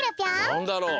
なんだろう？